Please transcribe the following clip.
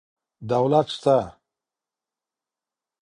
دولت سته.